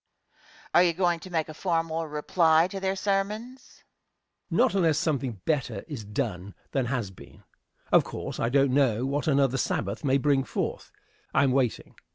Question. Are you going to make a formal reply to their sermons? Answer. Not unless something better is done than has been. Of course, I don't know what another Sabbath may bring forth. I am waiting.